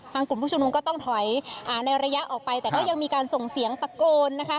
กลุ่มผู้ชุมนุมก็ต้องถอยในระยะออกไปแต่ก็ยังมีการส่งเสียงตะโกนนะคะ